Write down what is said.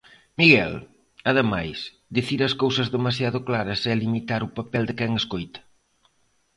Miguel: Ademais, dicir as cousas demasiado claras é limitar o papel de quen escoita.